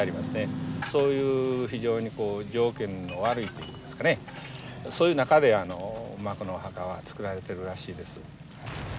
そういう非常に条件の悪いといいますかねそういう中でまあこのお墓は造られてるらしいです。